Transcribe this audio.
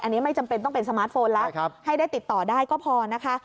อันนี้ไม่จำเป็นต้องเป็นสมาร์ทโฟนแล้วให้ได้ติดต่อได้ก็พอนะคะ